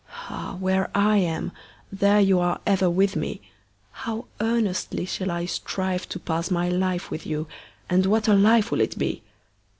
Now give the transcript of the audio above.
Ah! where I am, there you are ever with me; how earnestly shall I strive to pass my life with you, and what a life will it be!!!